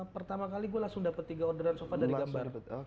pertama kali gue langsung dapat tiga orderan sopan dari gambar